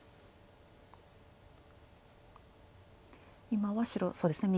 今は白そうですね